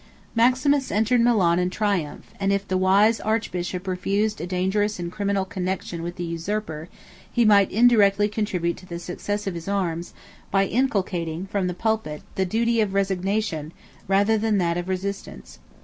Maximus entered Milan in triumph; and if the wise archbishop refused a dangerous and criminal connection with the usurper, he might indirectly contribute to the success of his arms, by inculcating, from the pulpit, the duty of resignation, rather than that of resistance.